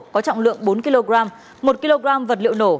có trọng lượng bốn kg một kg vật liệu nổ